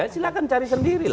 silahkan cari sendiri